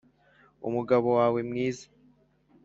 umugabo wawe mwiza